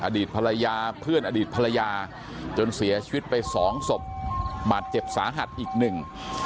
อดีตภรรยาเพื่อนอดีตภรรยาจนเสียชีวิตไปสองศพบาดเจ็บสาหัสอีกหนึ่ง